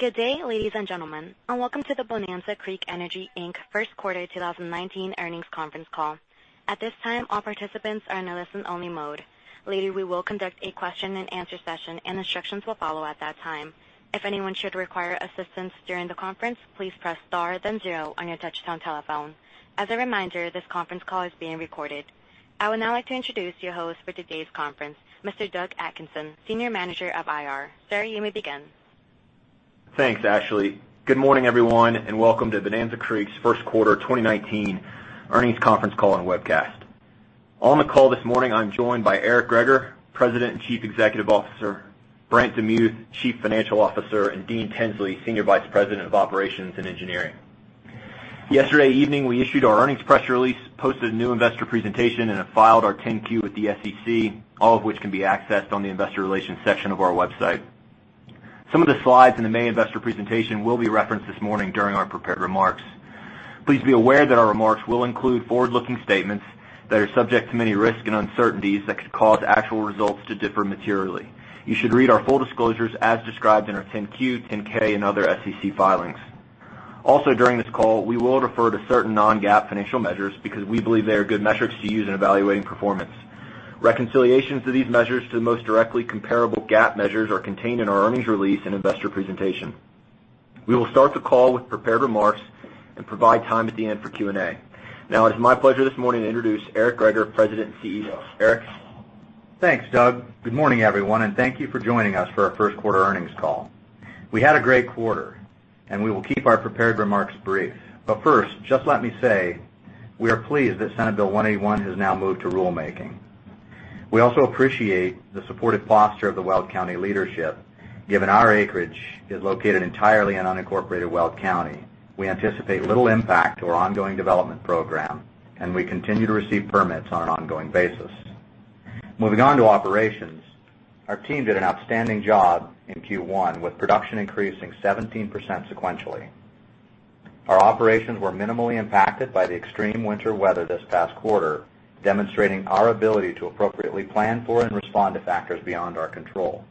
Good day, ladies and gentlemen. Welcome to the Bonanza Creek Energy, Inc. First Quarter 2019 Earnings Conference Call. At this time, all participants are in listen only mode. Later, we will conduct a question and answer session. Instructions will follow at that time. If anyone should require assistance during the conference, please press star then zero on your touchtone telephone. As a reminder, this conference call is being recorded. I would now like to introduce your host for today's conference, Mr. Doug Atkinson, Senior Manager of IR. Sir, you may begin. Thanks, Ashley. Good morning, everyone. Welcome to Bonanza Creek's First Quarter 2019 Earnings Conference Call and Webcast. On the call this morning, I'm joined by Eric Greager, President and Chief Executive Officer, Brant Demuth, Chief Financial Officer, and Dean Tinsley, Senior Vice President of Operations and Engineering. Yesterday evening, we issued our earnings press release, posted a new investor presentation. We have filed our 10-Q with the SEC, all of which can be accessed on the investor relations section of our website. Some of the slides in the main investor presentation will be referenced this morning during our prepared remarks. Please be aware that our remarks will include forward-looking statements that are subject to many risks and uncertainties that could cause actual results to differ materially. You should read our full disclosures as described in our 10-Q, 10-K, and other SEC filings. Also, during this call, we will refer to certain non-GAAP financial measures because we believe they are good metrics to use in evaluating performance. Reconciliations to these measures to the most directly comparable GAAP measures are contained in our earnings release and investor presentation. We will start the call with prepared remarks. We will provide time at the end for Q&A. It's my pleasure this morning to introduce Eric Greager, President and CEO. Eric? Thanks, Doug. Good morning, everyone. Thank you for joining us for our first quarter earnings call. We had a great quarter. We will keep our prepared remarks brief. First, just let me say we are pleased that Senate Bill 181 has now moved to rulemaking. We also appreciate the supportive foster of the Weld County leadership, given our acreage is located entirely in unincorporated Weld County. We anticipate little impact to our ongoing development program. We continue to receive permits on an ongoing basis. Moving on to operations. Our team did an outstanding job in Q1, with production increasing 17% sequentially. Our operations were minimally impacted by the extreme winter weather this past quarter, demonstrating our ability to appropriately plan for and respond to factors beyond our control.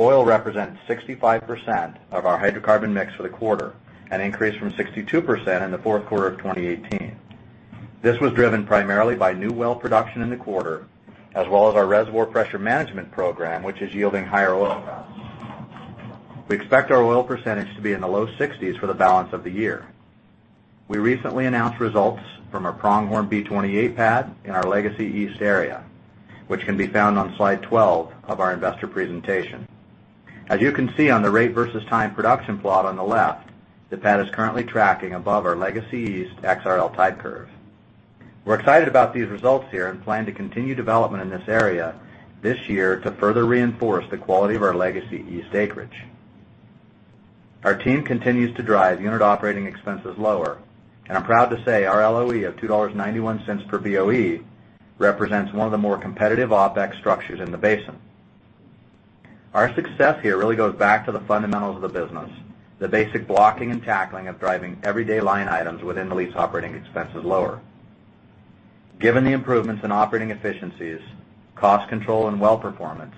Oil represents 65% of our hydrocarbon mix for the quarter, an increase from 62% in the fourth quarter of 2018. This was driven primarily by new well production in the quarter, as well as our reservoir pressure management program, which is yielding higher oil costs. We expect our oil percentage to be in the low 60s for the balance of the year. We recently announced results from our Pronghorn B28 pad in our Legacy East area, which can be found on slide 12 of our investor presentation. As you can see on the rate versus time production plot on the left, the pad is currently tracking above our Legacy East XRL type curve. We're excited about these results here and plan to continue development in this area this year to further reinforce the quality of our Legacy East acreage. Our team continues to drive unit operating expenses lower. I'm proud to say our LOE of $2.91 per BOE represents one of the more competitive OpEx structures in the basin. Our success here really goes back to the fundamentals of the business, the basic blocking and tackling of driving everyday line items within the lease operating expenses lower. Given the improvements in operating efficiencies, cost control, and well performance,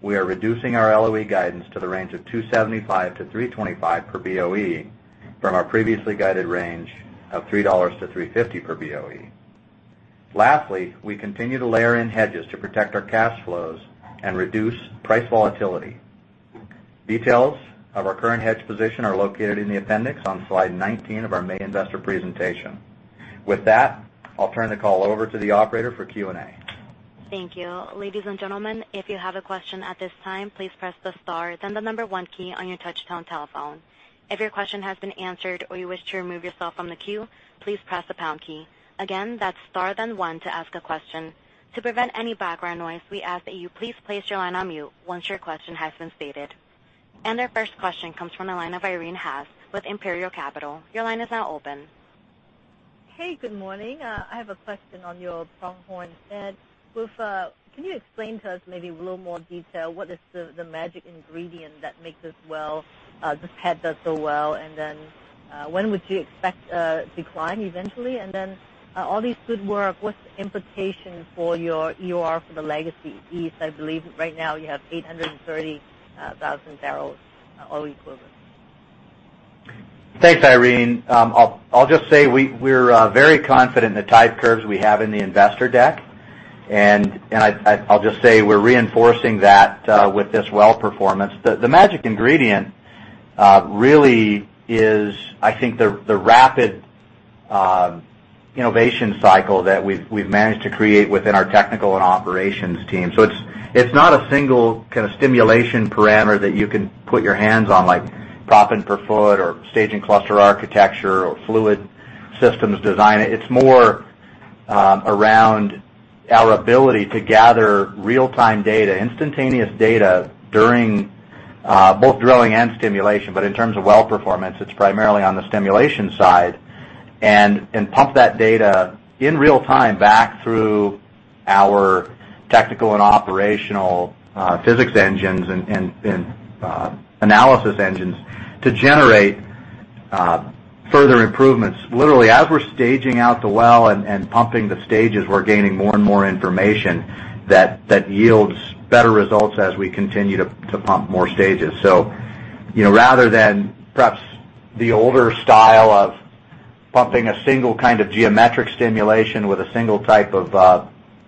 we are reducing our LOE guidance to the range of $2.75-$3.25 per BOE from our previously guided range of $3-$3.50 per BOE. Lastly, we continue to layer in hedges to protect our cash flows and reduce price volatility. Details of our current hedge position are located in the appendix on slide 19 of our main investor presentation. With that, I'll turn the call over to the operator for Q&A. Thank you. Ladies and gentlemen, if you have a question at this time, please press the star then the number one key on your touchtone telephone. If your question has been answered or you wish to remove yourself from the queue, please press the pound key. Again, that's star then one to ask a question. To prevent any background noise, we ask that you please place your line on mute once your question has been stated. Our first question comes from the line of Irene Haas with Imperial Capital. Your line is now open. Hey, good morning. I have a question on your Pronghorn pad. Can you explain to us maybe a little more detail what is the magic ingredient that makes this well, this pad does so well? When would you expect a decline eventually? All this good work, what's the implication for your EUR for the Legacy East? I believe right now you have 830,000 barrels oil equivalent. Thanks, Irene. I'll just say we're very confident in the type curves we have in the investor deck. I'll just say we're reinforcing that with this well performance. The magic ingredient really is, I think, the rapid innovation cycle that we've managed to create within our technical and operations team. It's not a single kind of stimulation parameter that you can put your hands on, like proppant per foot or staging cluster architecture or fluid systems design. It's more around our ability to gather real-time data, instantaneous data during both drilling and stimulation. In terms of well performance, it's primarily on the stimulation side, and pump that data in real time back through our technical and operational physics engines and analysis engines to generate further improvements. Literally, as we're staging out the well and pumping the stages, we're gaining more and more information that yields better results as we continue to pump more stages. Rather than perhaps the older style of pumping a single kind of geometric stimulation with a single type of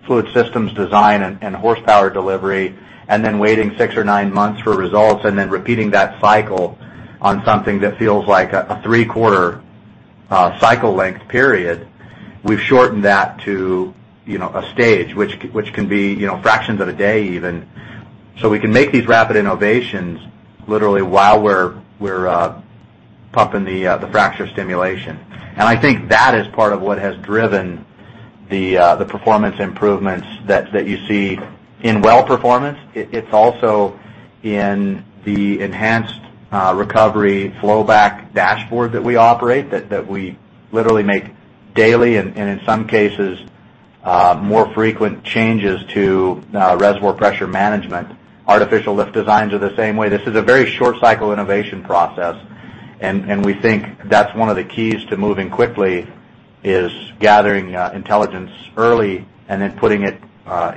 fluid systems design and horsepower delivery, and then waiting six or nine months for results, and then repeating that cycle on something that feels like a three-quarter cycle length period, we've shortened that to a stage, which can be fractions of a day even. We can make these rapid innovations literally while we're pumping the fracture stimulation. I think that is part of what has driven the performance improvements that you see in well performance. It's also in the enhanced recovery flow back dashboard that we operate that we literally make daily, in some cases, more frequent changes to reservoir pressure management. Artificial lift designs are the same way. This is a very short cycle innovation process, we think that's one of the keys to moving quickly, is gathering intelligence early and then putting it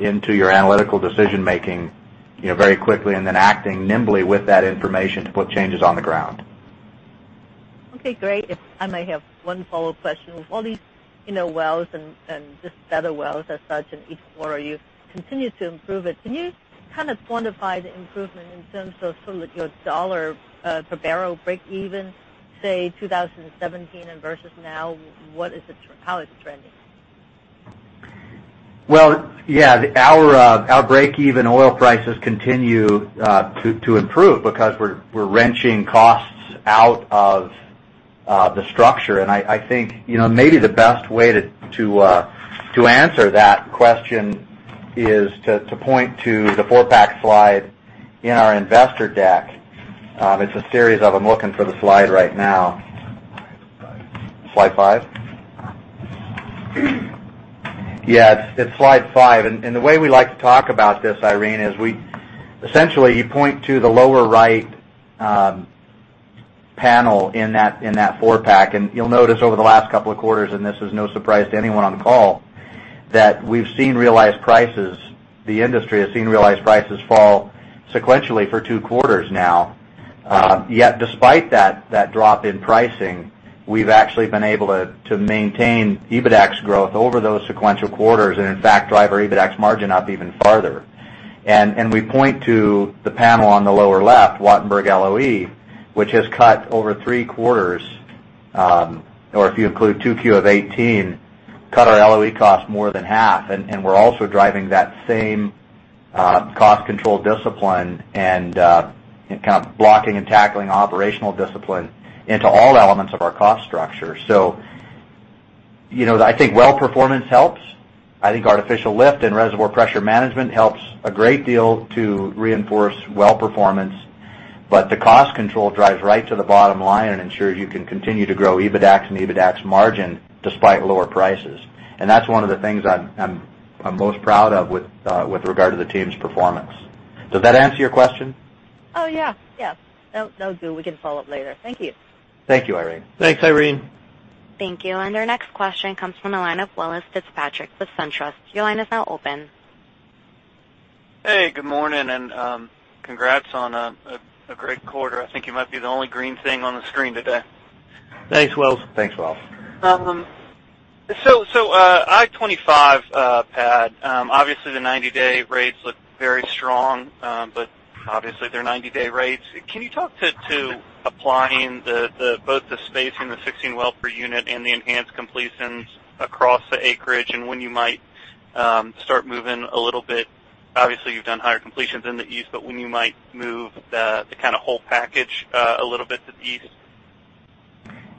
into your analytical decision-making very quickly, and then acting nimbly with that information to put changes on the ground. Okay, great. If I may have one follow-up question. With all these wells and just better wells as such in each quarter, you continue to improve it. Can you quantify the improvement in terms of your dollar per barrel break even, say, 2017 versus now? How is it trending? Well, yeah, our break even oil prices continue to improve because we're wrenching costs out of the structure. I think maybe the best way to answer that question is to point to the four-pack slide in our investor deck. I'm looking for the slide right now. Slide five. Slide five? Yeah, it's slide five. The way we like to talk about this, Irene, is essentially you point to the lower right panel in that four-pack. You'll notice over the last couple of quarters, and this is no surprise to anyone on the call, that we've seen realized prices, the industry has seen realized prices fall sequentially for two quarters now. Yet despite that drop in pricing, we've actually been able to maintain EBITDAX growth over those sequential quarters, and in fact, drive our EBITDAX margin up even farther. We point to the panel on the lower left, Wattenberg LOE, which has cut over three quarters, or if you include 2Q of 2018, cut our LOE cost more than half. We're also driving that same cost control discipline and kind of blocking and tackling operational discipline into all elements of our cost structure. I think well performance helps. I think artificial lift and reservoir pressure management helps a great deal to reinforce well performance. The cost control drives right to the bottom line and ensures you can continue to grow EBITDAX and EBITDAX margin despite lower prices. That's one of the things I'm most proud of with regard to the team's performance. Does that answer your question? Oh, yeah. That'll do. We can follow up later. Thank you. Thank you, Irene. Thanks, Irene. Thank you. Our next question comes from the line of Welles Fitzpatrick with SunTrust. Your line is now open. Hey, good morning, and congrats on a great quarter. I think you might be the only green thing on the screen today. Thanks, Welles. Thanks, Welles. I-25 pad. Obviously, the 90-day rates look very strong, but obviously, they're 90-day rates. Can you talk to applying both the spacing, the 16 well per unit, and the enhanced completions across the acreage and when you might start moving a little bit? Obviously, you've done higher completions in the east, but when you might move the whole package a little bit to the east?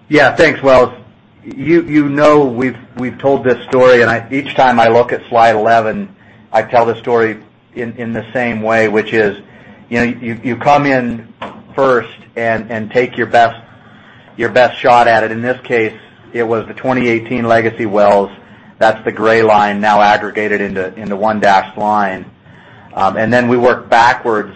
Yeah, thanks, Welles. You know we've told this story, and each time I look at slide 11, I tell the story in the same way, which is, you come in first and take your best shot at it. In this case, it was the 2018 legacy wells. That's the gray line now aggregated into one dashed line. Then we work backwards,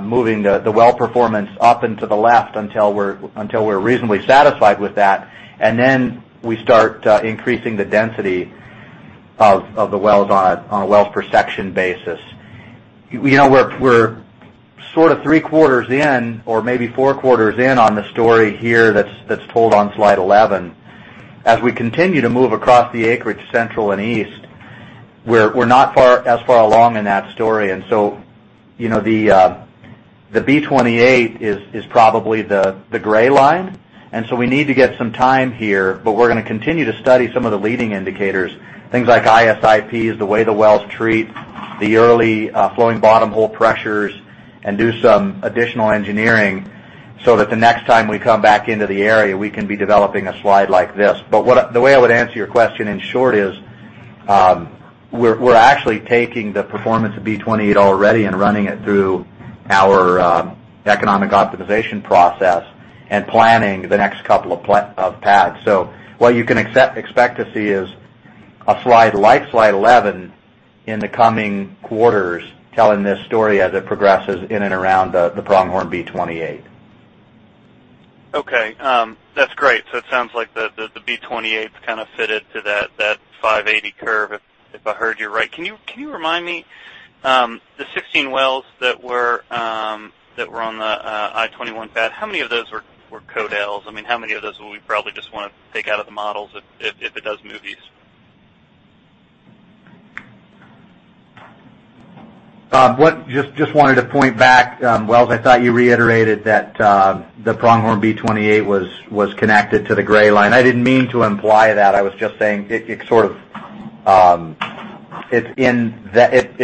moving the well performance up and to the left until we're reasonably satisfied with that, then we start increasing the density of the wells on a wells per section basis. We're sort of three quarters in, or maybe four quarters in on the story here that's told on slide 11. As we continue to move across the acreage central and east, we're not as far along in that story. The B28 is probably the gray line, and so we need to get some time here, but we're going to continue to study some of the leading indicators. Things like ISIPs, the way the wells treat the early flowing bottom hole pressures, and do some additional engineering so that the next time we come back into the area, we can be developing a slide like this. The way I would answer your question in short is, we're actually taking the performance of B28 already and running it through our economic optimization process and planning the next couple of pads. What you can expect to see is a slide like slide 11 in the coming quarters telling this story as it progresses in and around the Pronghorn B28. Okay. That's great. It sounds like the B28 is kind of fitted to that 580 curve, if I heard you right. Can you remind me, the 16 wells that were on the I-21 pad, how many of those were Codells? How many of those will we probably just want to take out of the models if it does move east? Just wanted to point back, Welles, I thought you reiterated that the Pronghorn B28 was connected to the gray line. I didn't mean to imply that. I was just saying it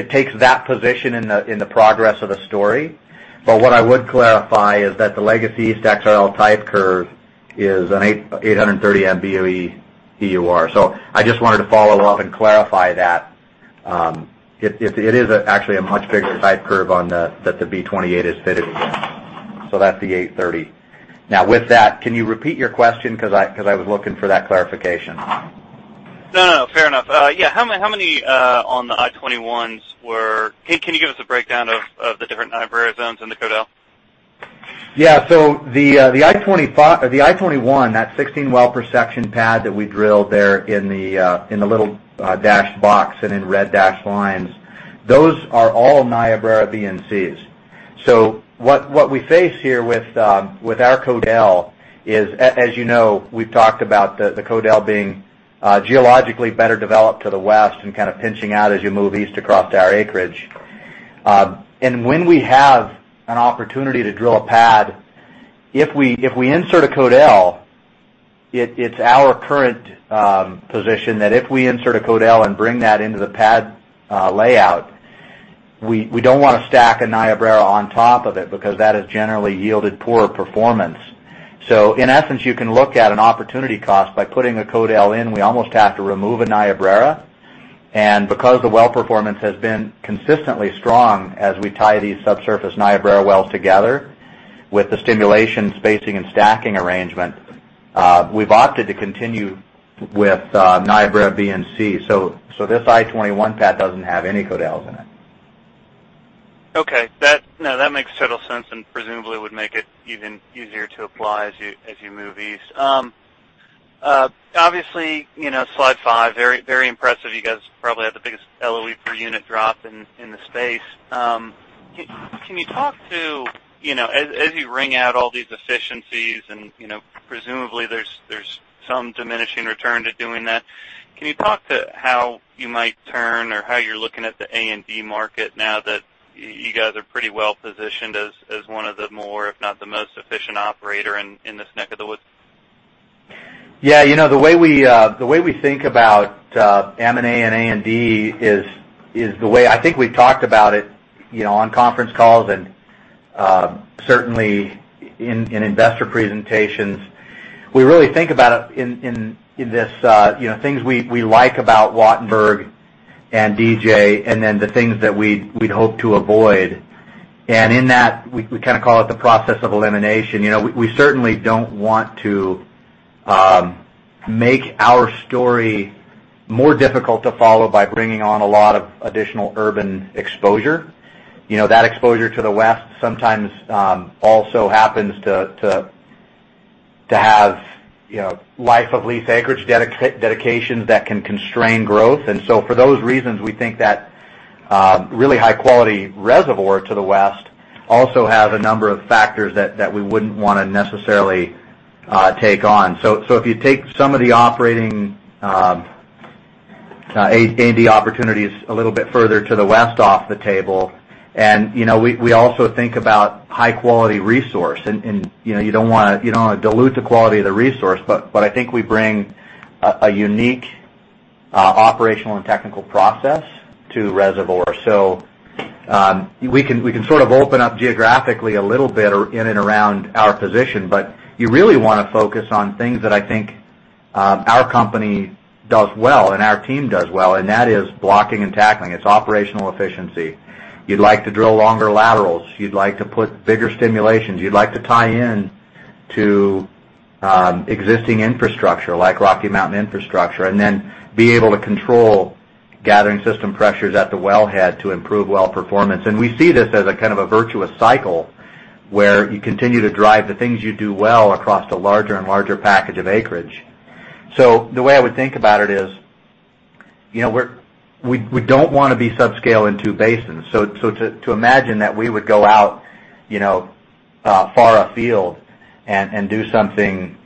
takes that position in the progress of the story. What I would clarify is that the legacy East XOG type curve is an 830 MBOE EUR. I just wanted to follow up and clarify that. It is actually a much bigger type curve on the, that the B28 is fitted against. That's the 830. Now with that, can you repeat your question? Because I was looking for that clarification. No, no. Fair enough. Yeah. Can you give us a breakdown of the different Niobrara zones in the Codell? Yeah. The I-21, that 16 well per section pad that we drilled there in the little dashed box and in red dashed lines, those are all Niobrara B and Cs. What we face here with our Codell is, as you know, we've talked about the Codell being geologically better developed to the west and kind of pinching out as you move east across our acreage. When we have an opportunity to drill a pad, if we insert a Codell, it's our current position that if we insert a Codell and bring that into the pad layout, we don't want to stack a Niobrara on top of it, because that has generally yielded poor performance. In essence, you can look at an opportunity cost by putting a Codell in, we almost have to remove a Niobrara. Because the well performance has been consistently strong as we tie these subsurface Niobrara wells together with the stimulation spacing and stacking arrangement, we've opted to continue with Niobrara B and C. This I-21 pad doesn't have any Codells in it. Okay. No, that makes total sense, and presumably would make it even easier to apply as you move east. Obviously, slide five, very impressive. You guys probably have the biggest LOE per unit drop in the space. As you wring out all these efficiencies, and presumably, there's some diminishing return to doing that, can you talk to how you might turn or how you're looking at the A&D market now that you guys are pretty well-positioned as one of the more, if not the most efficient operator in this neck of the woods? The way we think about M&A and A&D is the way I think we've talked about it on conference calls and certainly in investor presentations. We really think about it in this, things we like about Wattenberg and DJ, and then the things that we'd hope to avoid. In that, we call it the process of elimination. We certainly don't want to make our story more difficult to follow by bringing on a lot of additional urban exposure. That exposure to the west sometimes also happens to have life of lease acreage dedications that can constrain growth. For those reasons, we think that really high-quality reservoir to the west also have a number of factors that we wouldn't want to necessarily take on. If you take some of the operating A&D opportunities a little bit further to the west off the table, we also think about high-quality resource, and you don't want to dilute the quality of the resource, but I think we bring a unique operational and technical process to the reservoir. We can sort of open up geographically a little bit in and around our position, but you really want to focus on things that I think our company does well and our team does well, and that is blocking and tackling. It's operational efficiency. You'd like to drill longer laterals. You'd like to put bigger stimulations. You'd like to tie in to existing infrastructure, like Rocky Mountain Infrastructure, and then be able to control gathering system pressures at the wellhead to improve well performance. We see this as a virtuous cycle where you continue to drive the things you do well across a larger and larger package of acreage. The way I would think about it is, we don't want to be subscale in two basins. To imagine that we would go out far afield and do something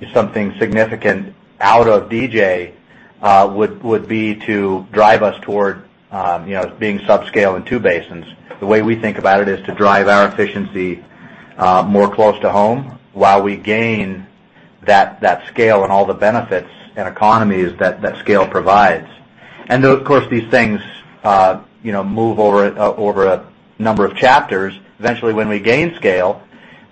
significant out of DJ would be to drive us toward being subscale in two basins. The way we think about it is to drive our efficiency more close to home while we gain that scale and all the benefits and economies that scale provides. Of course, these things move over a number of chapters. Eventually, when we gain scale,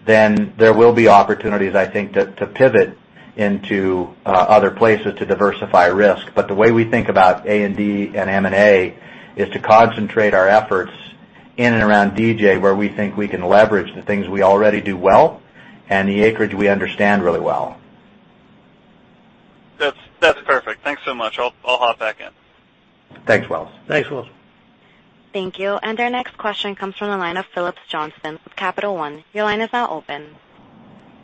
there will be opportunities, I think, to pivot into other places to diversify risk. The way we think about A&D and M&A is to concentrate our efforts in and around DJ, where we think we can leverage the things we already do well and the acreage we understand really well. That's perfect. Thanks so much. I'll hop back in. Thanks, Wells. Thanks, Wells. Thank you. Our next question comes from the line of Phillips Johnston with Capital One. Your line is now open.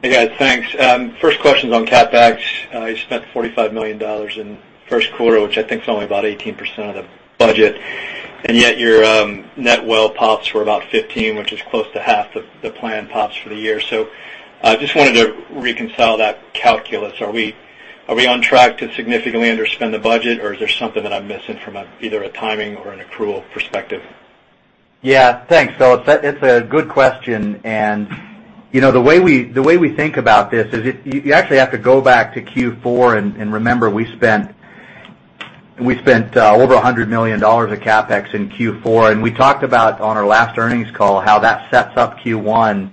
Hey, guys. Thanks. First question's on CapEx. You spent $45 million in first quarter, which I think is only about 18% of the budget, and yet your net well POPs were about 15, which is close to half the planned POPs for the year. I just wanted to reconcile that calculus. Are we on track to significantly underspend the budget, or is there something that I'm missing from either a timing or an accrual perspective? Yeah. Thanks, Phillips. It's a good question. The way we think about this is, you actually have to go back to Q4 and remember, we spent over $100 million of CapEx in Q4. We talked about, on our last earnings call, how that sets up Q1.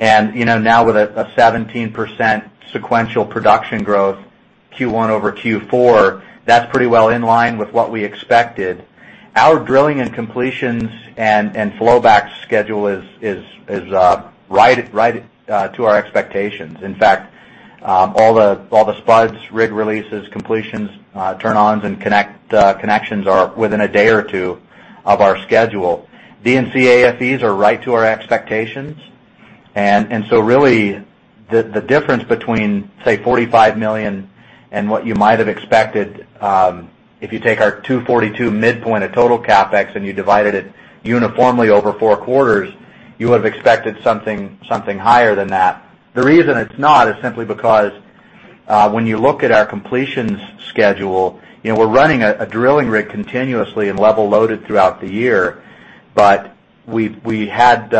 Now with a 17% sequential production growth Q1 over Q4, that's pretty well in line with what we expected. Our drilling and completions and flowback schedule is right to our expectations. In fact, all the spuds, rig releases, completions, turn-ons, and connections are within a day or two of our schedule. D&C AFEs are right to our expectations. Really, the difference between, say, $45 million and what you might have expected, if you take our $242 midpoint of total CapEx and you divided it uniformly over four quarters, you would've expected something higher than that. The reason it's not is simply because when you look at our completions schedule, we're running a drilling rig continuously and level loaded throughout the year. We had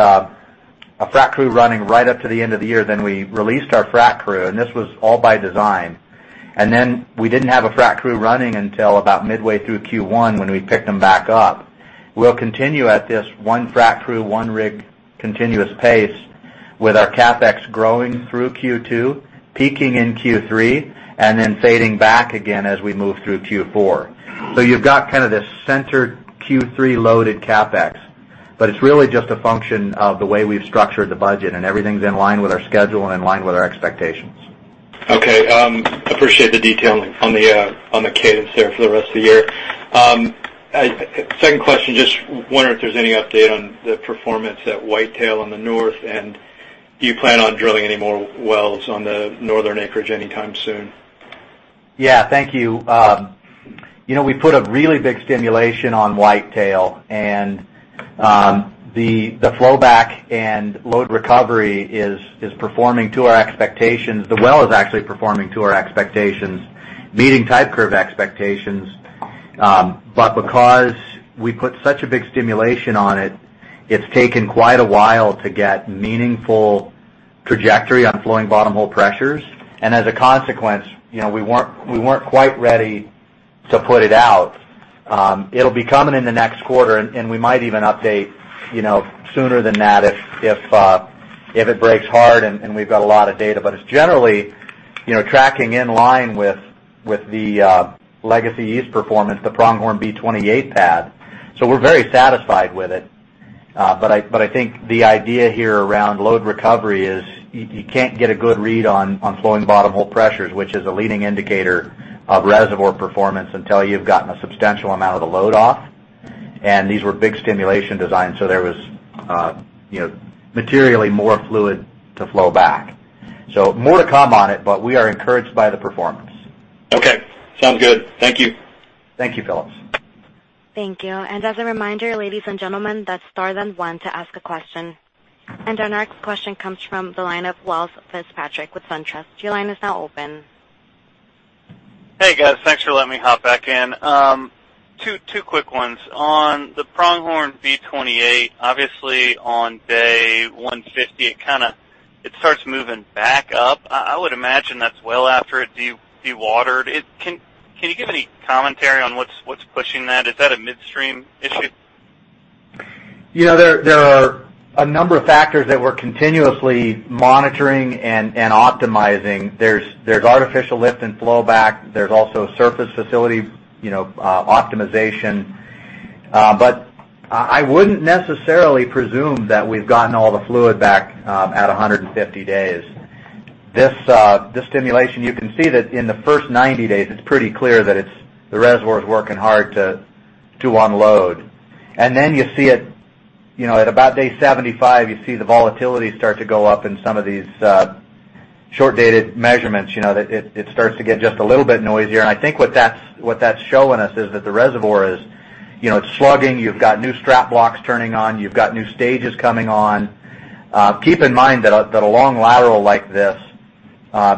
a frac crew running right up to the end of the year, then we released our frac crew, and this was all by design. We didn't have a frac crew running until about midway through Q1, when we picked them back up. We'll continue at this one frac crew, one rig continuous pace with our CapEx growing through Q2, peaking in Q3, and then fading back again as we move through Q4. You've got this centered Q3 loaded CapEx, but it's really just a function of the way we've structured the budget, and everything's in line with our schedule and in line with our expectations. Okay. Appreciate the detail on the cadence there for the rest of the year. Second question, just wondering if there's any update on the performance at Whitetail in the north. Do you plan on drilling any more wells on the northern acreage anytime soon? Yeah. Thank you. We put a really big stimulation on Whitetail, and the flowback and load recovery is performing to our expectations. The well is actually performing to our expectations, meeting type curve expectations. Because we put such a big stimulation on it's taken quite a while to get meaningful trajectory on flowing bottom hole pressures. As a consequence, we weren't quite ready to put it out. It'll be coming in the next quarter, and we might even update sooner than that if it breaks hard and we've got a lot of data. It's generally tracking in line with the Legacy East performance, the Pronghorn B28 pad. We're very satisfied with it. I think the idea here around load recovery is you can't get a good read on flowing bottom hole pressures, which is a leading indicator of reservoir performance, until you've gotten a substantial amount of the load off. These were big stimulation designs, there was materially more fluid to flow back. More to come on it, but we are encouraged by the performance. Okay. Sounds good. Thank you. Thank you, Phillips. Thank you. As a reminder, ladies and gentlemen, that's star then one to ask a question. Our next question comes from the line of Welles Fitzpatrick with SunTrust. Your line is now open. Hey, guys. Thanks for letting me hop back in. Two quick ones. On the Pronghorn B28, obviously on day 150, it starts moving back up. I would imagine that's well after it dewatered. Can you give any commentary on what's pushing that? Is that a midstream issue? There are a number of factors that we're continuously monitoring and optimizing. There's artificial lift and flowback. There's also surface facility optimization. I wouldn't necessarily presume that we've gotten all the fluid back at 150 days. This stimulation, you can see that in the first 90 days, it's pretty clear that the reservoir's working hard to unload. Then at about day 75, you see the volatility start to go up in some of these short dated measurements. It starts to get just a little bit noisier. I think what that's showing us is that the reservoir is slugging. You've got new strat blocks turning on. You've got new stages coming on. Keep in mind that a long lateral like this,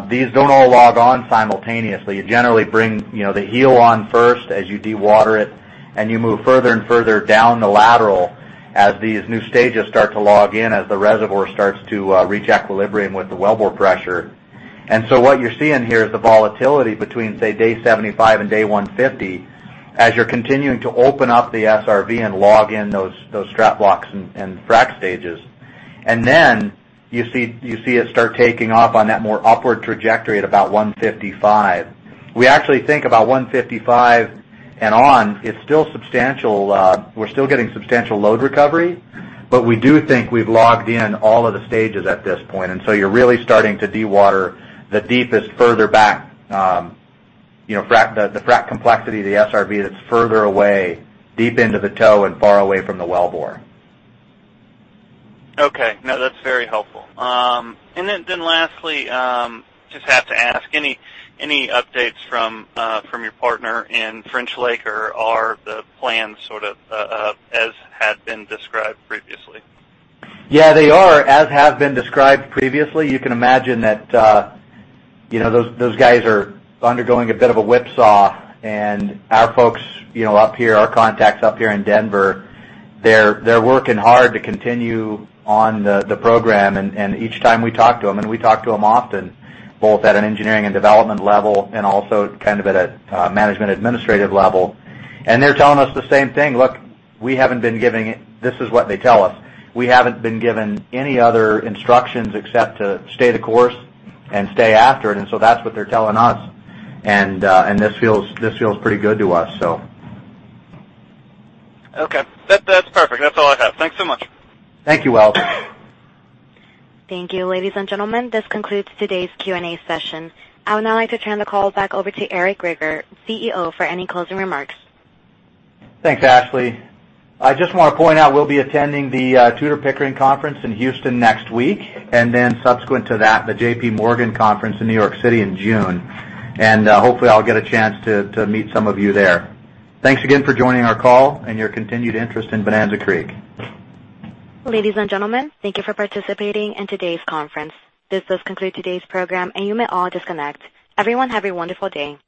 these don't all log on simultaneously. You generally bring the heel on first as you dewater it, and you move further and further down the lateral as these new stages start to log in, as the reservoir starts to reach equilibrium with the wellbore pressure. So what you're seeing here is the volatility between, say, day 75 and day 150, as you're continuing to open up the SRV and log in those strat blocks and frac stages. Then you see it start taking off on that more upward trajectory at about 155. We actually think about 155 and on, we're still getting substantial load recovery, but we do think we've logged in all of the stages at this point, and so you're really starting to de-water the deepest, further back, the frac complexity of the SRV that's further away, deep into the toe and far away from the wellbore. Okay. No, that's very helpful. Lastly, just have to ask, any updates from your partner in French Lake or are the plans sort of as had been described previously? Yeah, they are as have been described previously. You can imagine that those guys are undergoing a bit of a whipsaw, and our folks up here, our contacts up here in Denver, they're working hard to continue on the program, and each time we talk to them, and we talk to them often, both at an engineering and development level and also at a management administrative level, and they're telling us the same thing. "Look, we haven't been given" This is what they tell us. "We haven't been given any other instructions except to stay the course and stay after it." That's what they're telling us. This feels pretty good to us. Okay. That's perfect. That's all I have. Thanks so much. Thank you, Welles. Thank you. Ladies and gentlemen, this concludes today's Q&A session. I would now like to turn the call back over to Eric Greager, CEO, for any closing remarks. Thanks, Ashley. I just want to point out we'll be attending the Tudor, Pickering conference in Houston next week, and then subsequent to that, the JPMorgan conference in New York City in June. Hopefully, I'll get a chance to meet some of you there. Thanks again for joining our call and your continued interest in Bonanza Creek. Ladies and gentlemen, thank you for participating in today's conference. This does conclude today's program, and you may all disconnect. Everyone, have a wonderful day.